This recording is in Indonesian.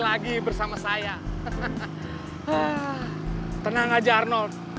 aku mau bawa lo ke bengkel